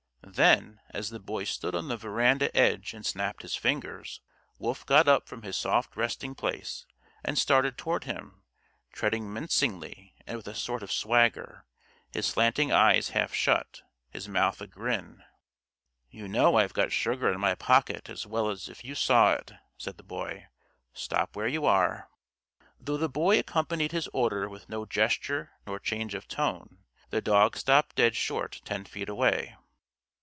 Then, as the Boy stood on the veranda edge and snapped his fingers, Wolf got up from his soft resting place and started toward him, treading mincingly and with a sort of swagger, his slanting eyes half shut, his mouth a grin. "You know I've got sugar in my pocket as well as if you saw it," said the Boy. "Stop where you are." Though the Boy accompanied his order with no gesture nor change of tone, the dog stopped dead short ten feet away.